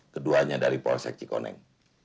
keduanya dari polsek cikoneng